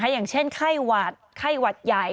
อย่างเช่นไข้หวาดใหญ่